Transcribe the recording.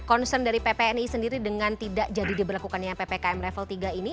concern dari ppni sendiri dengan tidak jadi diberlakukannya ppkm level tiga ini